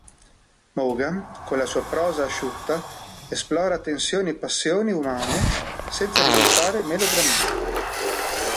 Maugham, con la sua prosa asciutta, esplora tensioni e passioni umane senza risultare melodrammatico.